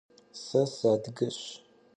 Se sıadıgeş.